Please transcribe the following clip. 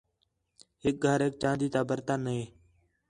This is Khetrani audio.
ہِک گھریک چاندی تا برتن ہے